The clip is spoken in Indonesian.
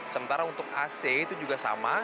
sementara untuk ac itu juga sama